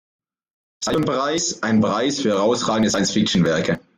Seiun-Preis, einen Preis für herausragende Science-Fiction-Werke.